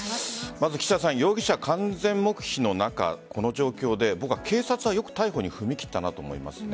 岸田さん、容疑者完全黙秘の中この状況で僕は、警察はよく逮捕に踏み切ったなと思いますね。